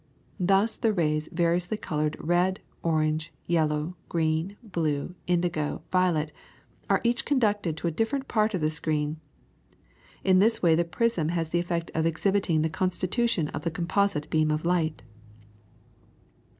Thus, the rays variously coloured red, orange, yellow, green, blue, indigo, violet, are each conducted to a different part of the screen. In this way the prism has the effect of exhibiting the constitution of the composite beam of light.